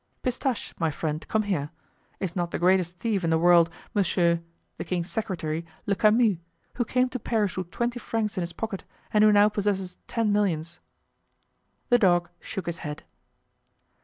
Pistache, my friend, come here. Is not the greatest thief in the world, Monsieur (the king's secretary) Le Camus, who came to Paris with twenty francs in his pocket and who now possesses ten millions?" The dog shook his head.